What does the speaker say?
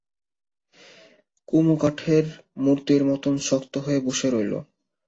কুমু কাঠের মূর্তির মতো শক্ত হয়ে বসে রইল।